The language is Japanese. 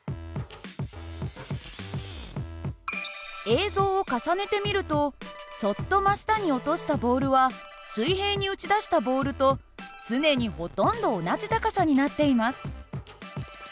映像を重ねてみるとそっと真下に落としたボールは水平に打ち出したボールと常にほとんど同じ高さになっています。